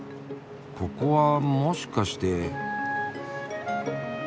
ここはもしかして。